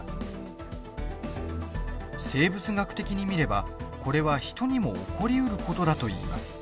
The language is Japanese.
生物学的に見れば、これは人にも起こりうることだといいます。